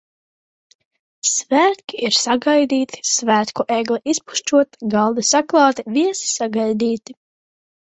Svētki ir sagaidīti, svētku egle izpušķota, galdi saklāti, viesi sagaidīti.